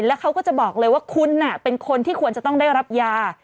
แล้วเขาก็จะบอกเลยว่าคุณเป็นคนที่ควรจะต้องได้รับยา